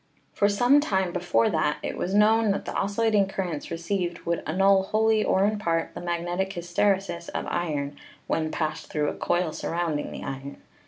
For some time before that it was known that the oscillating currents received would annul wholly or in part the magnetic hysteresis of iron when passed through a coil surrounding the iron.